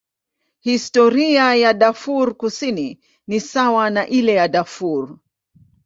Historia ya Darfur Kusini ni sawa na ile ya Darfur.